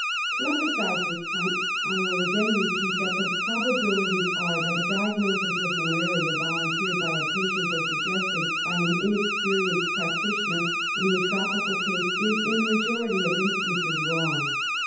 To emphasize this point I would again repeat that the probabilities are that a diagnosis of malaria volun teered by a patient or suggested by an inexperienced practitioner in a tropical case is, in the majority of instances, wrong.